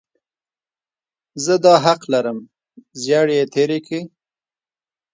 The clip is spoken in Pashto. زه دا حق لرم، ناړې یې تېرې کړې.